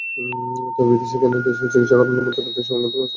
তবে বিদেশ কেন, দেশে চিকিত্সা করানোর মতো আর্থিক সংগতি মাসুদের পরিবারের নেই।